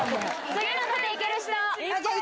次の土手いける人？